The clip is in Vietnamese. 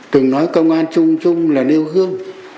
đừng nói công an chung chung là nêu gương